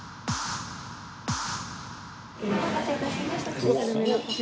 お待たせ致しました。